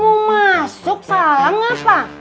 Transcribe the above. kalo mau masuk salah ngapa